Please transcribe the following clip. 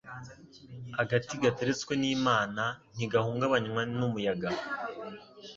Agati gateretswe n'Imana ntigahungabanywa n'umuyaga.